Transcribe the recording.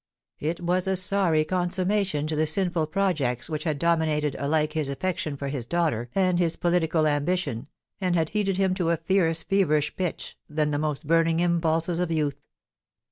It was a sorry consummation to the sinful projects which had dominated alike his affection for his daughter and his poliucal ambition, and had heated him to a fiercer fever pitch than the most burning impulses of youth.